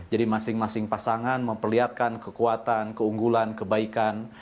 jadi masing masing pasangan memperlihatkan kekuatan keunggulan kebaikan